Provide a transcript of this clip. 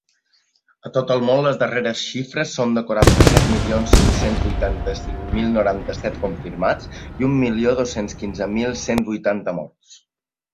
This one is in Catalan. A tot el món, les darreres xifres són de quaranta-set milions cinc-cents vuitanta-cinc mil noranta-set confirmats i un milió dos-cents quinze mil cent vuitanta morts.